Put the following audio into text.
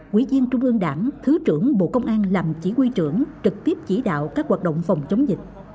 quỹ viên trung ương đảng thứ trưởng bộ công an làm chỉ huy trưởng trực tiếp chỉ đạo các hoạt động phòng chống dịch